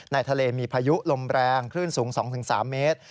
ในทะเลมีพายุลมแรงคลื่นสูง๒๓เมตร